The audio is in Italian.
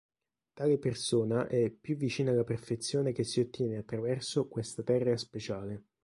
Tale persona è "più vicina alla perfezione che si ottiene attraverso questa terra speciale.